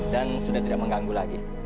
dan sudah tidak mengganggu lagi